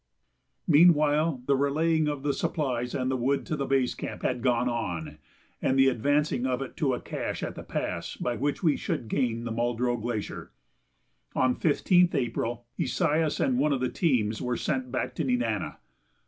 ] Meanwhile, the relaying of the supplies and the wood to the base camp had gone on, and the advancing of it to a cache at the pass by which we should gain the Muldrow Glacier. On 15th April Esaias and one of the teams were sent back to Nenana.